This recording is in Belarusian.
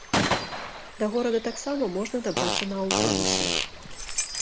Да горада таксама можна дабрацца на аўтобусе.